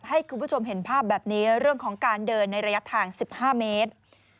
ให้คุณผู้ชมเห็นภาพแบบนี้เรื่องของการเดินในระยะทาง๑๕เมตร